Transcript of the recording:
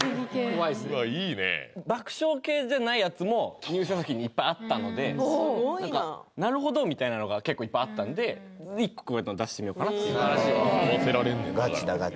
うわっいいね爆笑系じゃないやつも入選付近にいっぱいあったので何かなるほどみたいなのが結構いっぱいあったんで１個こういうのを出してみようかなって合わせられんねんガチだ